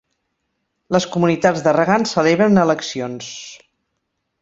Les comunitats de regants celebren eleccions.